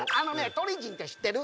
鳥人って知ってる？